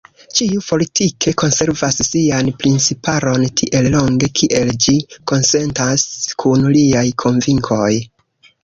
Ĉiu fortike konservas sian principaron tiel longe, kiel ĝi konsentas kun liaj konvinkoj.